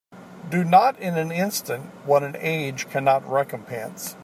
Do not in an instant what an age cannot recompense.